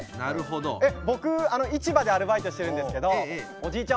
僕市場でアルバイトしてるんですけどおじいちゃん